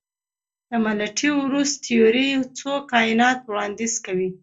د ملټي ورس تیوري څو کائنات وړاندیز کوي.